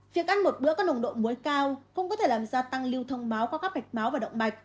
việc ăn một bữa có nồng độ muối cao không có thể làm ra tăng lưu thông máu qua các bạch máu và động bạch